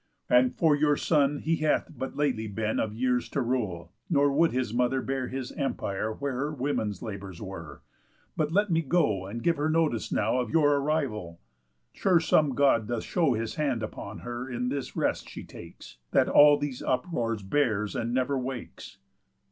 And for your son he hath but lately been Of years to rule; nor would his mother bear His empire where her women's labours were, But let me go and give her notice now Of your arrival. Sure some God doth show His hand upon her in this rest she takes, That all these uproars bears and never wakes."